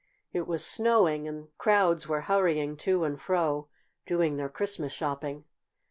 It was snowing, and crowds were hurrying to and fro, doing their Christmas shopping.